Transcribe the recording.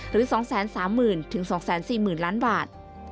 หรือ๒๓๐๐๐๒๔๐๐๐ล้านบาท